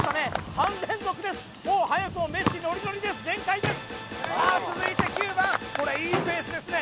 ３連続ですもう早くもメッシノリノリです全開ですさあ続いて９番これいいペースですね